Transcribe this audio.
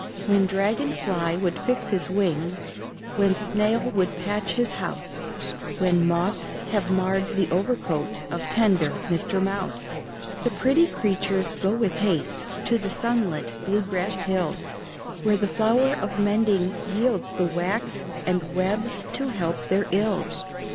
When Dragon fly would fix his wings, When Snail would patch his house, When moths have marred the overcoat Of tender Mister Mouse, The pretty creatures go with haste To the sunlit blue grass hills Where the Flower of Mending yields the wax And webs to help their ills.